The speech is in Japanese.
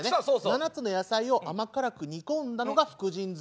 ７つの野菜を甘辛く煮込んだのが福神漬。